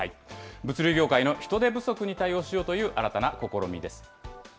物流業界の人手不足に対応しようという新たな試みです。